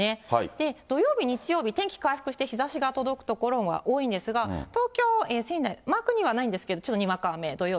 で、土曜日、日曜日、天気回復して、日ざしが届く所が多いんですが、東京、仙台、マークにはないんですが、ちょっとにわか雨、土曜日。